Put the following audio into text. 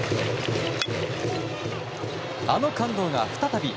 あの感動が再び。